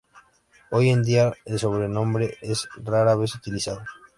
Hoy en día, el sobrenombre es rara vez utilizado.